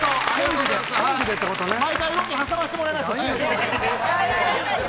毎回ロケ、挟ませてもらいました。